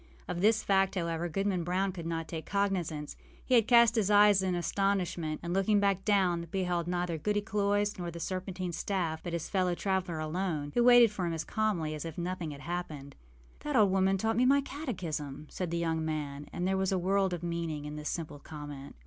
Of this fact, however, Goodman Brown could not take cognizance. He had cast up his eyes in astonishment, and, looking down again, beheld neither Goody Cloyse nor the serpentine staff, but his fellow traveller alone, who waited for him as calmly as if nothing had happened. âThat old woman taught me my catechism,â said the young man; and there was a world of meaning in this simple comment.